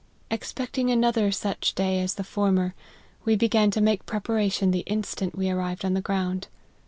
Expecting another such day as the former, we began to make prepara tion the instant we arrived on the ground.